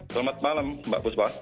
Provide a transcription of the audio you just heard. selamat malam mbak busbah